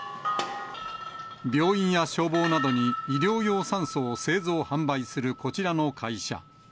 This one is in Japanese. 病院や消防などに医療用酸素を製造・販売するこちらの会社。